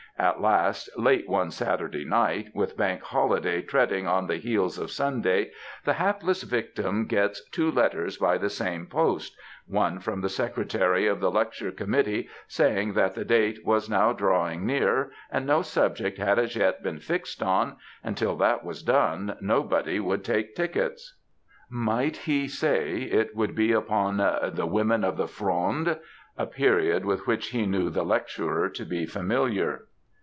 At last, late one Saturday night, with Bank Holiday treading on the heels of Sunday, the hapless victim gets two letters by the same post, one from the Secretary of the Lecture Com mittee saying that the date was now drawing near and no subject had as yet been fixed on, and till that was done nobody would take tickets. Might he say it would be 108 MEN, WOMEN, AND MINXES upon ^The Women of the IVonde^P a period with which he knew the lecttorer to be familiar.